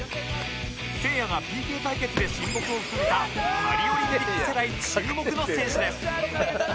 せいやが ＰＫ 対決で親睦を深めたパリオリンピック世代注目の選手です